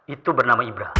itu bernama ibrah